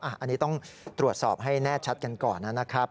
อันนี้ต้องตรวจสอบให้แน่ชัดกันก่อนนะครับ